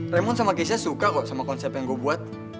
raymond sama keisha suka kok sama konsep yang gue buat